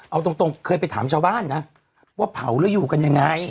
เอาตรงเคยไปถามชาวบ้านนะว่าเผาแล้วอยู่กันยังไง